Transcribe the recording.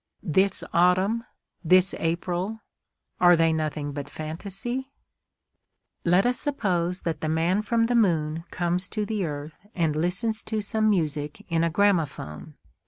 This Autumn, this April,—are they nothing but phantasy? Let us suppose that the Man from the Moon comes to the earth and listens to some music in a gramophone.